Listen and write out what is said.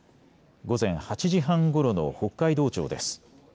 午前８時半ごろの北海道庁です。